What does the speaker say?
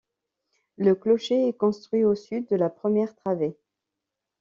Le clocher est construit au sud de la première travée.